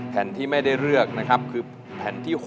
แผ่นที่ไม่ได้เลือกนะครับคือแผ่นที่๖